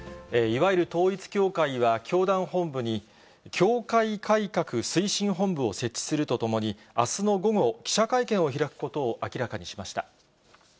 いわゆる統一教会は教団本部に、教会改革推進本部を設置するとともに、あすの午後、記者会見を開くことを明らかにしました。